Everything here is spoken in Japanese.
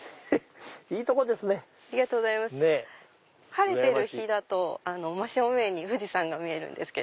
晴れてる日だと真正面に富士山が見えるんですけれども。